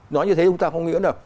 nói như thế chúng ta không nghĩ nữa